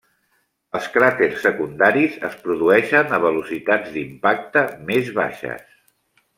Els cràters secundaris es produeixen a velocitats d'impacte més baixes.